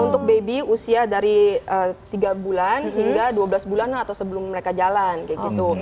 untuk baby usia dari tiga bulan hingga dua belas bulan atau sebelum mereka jalan kayak gitu